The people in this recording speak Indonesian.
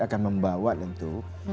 akan membawa tentu